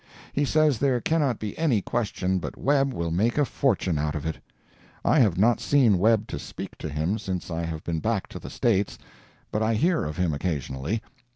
He says there cannot be any question but Webb will make a fortune out of it. I have not seen Webb to speak to him since I have been back to the States, but I hear of him occasionally.